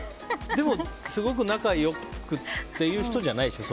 でも、すごく仲が良いっていう人じゃないでしょ？